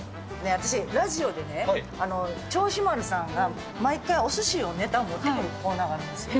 私、ラジオでね、銚子丸さんが毎回、おすしをネタ持ってくるコーナーがあるんですよ。